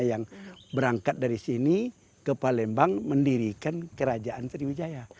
yang berangkat dari sini ke palembang mendirikan kerajaan sriwijaya